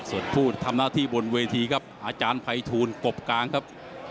ส่วนผู้ทำหน้าที่บนเวทีครับอาจารย์ภัยทูลกบกลางครับ